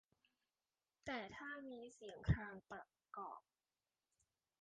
แต่ถ้ามีเสียงครางประกอบ